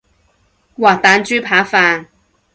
滑蛋豬扒飯